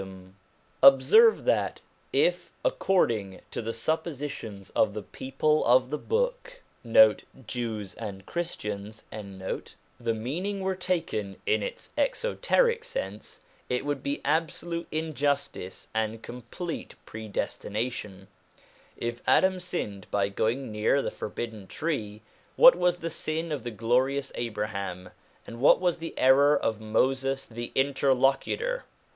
1 Baha'u'llah. SOME CHRISTIAN SUBJECTS 143 Observe that if, according to the suppositions of the People of the Book, 1 the meaning were taken in its exoteric sense, it would be absolute injustice and com plete predestination. If Adam sinned by going near the forbidden tree, what was the sin of the glorious Abraham, and what was the error of Moses the Inter locutor